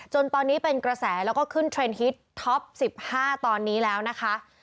จนตอนนี้เป็นกระแสแล้วก็ขึ้นเทรนด์ฮิตท็อป๑๕ตอนนี้แล้วนะคะ